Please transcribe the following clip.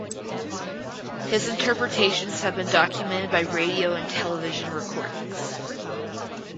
His interpretations have been documented by radio and television recordings.